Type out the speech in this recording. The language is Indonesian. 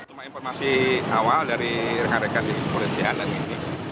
ini informasi awal dari rekan rekan di polisi anang ini